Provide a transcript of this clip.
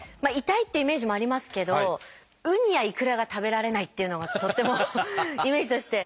「痛い」っていうイメージもありますけどウニやイクラが食べられないっていうのがとってもイメージとして。